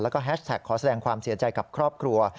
แล้วก็แฮชแท็กขอแสดงความเสียใจกับครอบครัว